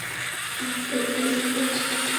বালক একবিন্দু অশ্রুপাত না করিয়া নীরবে সহ্য করিল।